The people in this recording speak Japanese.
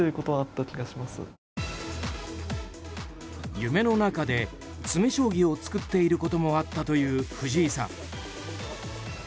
夢の中で詰将棋を作っていることもあったという藤井さん。